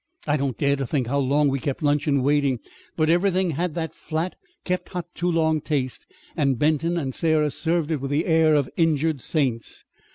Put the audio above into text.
I don't dare to think how long we kept luncheon waiting. But everything had that flat, kept hot too long taste, and Benton and Sarah served it with the air of injured saints.